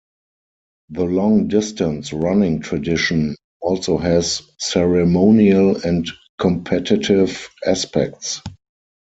The long-distance running tradition also has ceremonial and competitive aspects.